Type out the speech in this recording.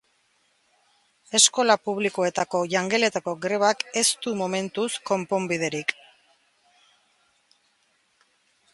Eskola publikoetako jangeletako grebak ez du momentuz konponbiderik.